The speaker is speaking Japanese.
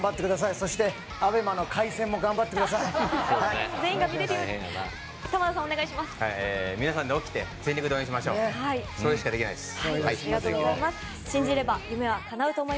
そして、ＡＢＥＭＡの回線も頑張ってください。